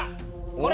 これ！